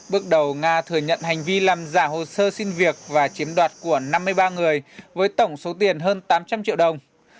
bước đầu nga thừa nhận hành vi làm giả hồ sơ xin việc và chiếm đoạt của năm mươi ba người với tổng số tiền hơn tám trăm linh triệu đồng